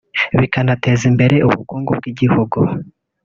bikanateza imbere ubukungu bw’igihugu